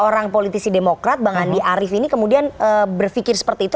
orang politisi demokrat bang andi arief ini kemudian berpikir seperti itu